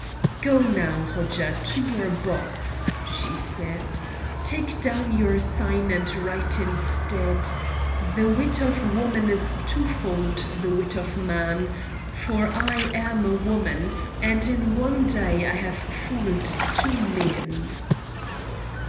"Go now, Hodja, to your box," she said. "Take down your sign and write instead: 'The wit of woman is twofold the wit of man,' for I am a woman, and in one day I have fooled two men."